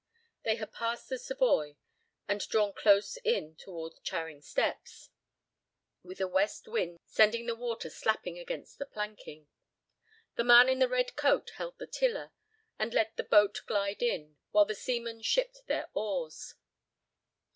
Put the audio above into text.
They had passed the Savoy, and drawn close in toward Charing Steps, with a west wind sending the water slapping against the planking. The man in the red coat held the tiller, and let the boat glide in, while the seamen shipped their oars.